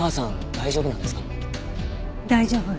大丈夫。